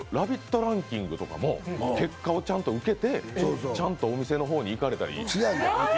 ランキングとかも結果をちゃんと受けてちゃんとお店の方に行かれたり。